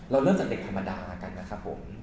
เริ่มจากเด็กธรรมดากันนะครับผม